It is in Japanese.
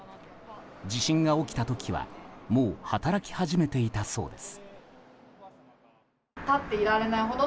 地震が起きた時はもう働き始めていたそうです。